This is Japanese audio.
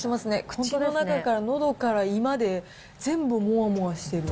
口の中からのどから胃まで、全部もわもわしてる。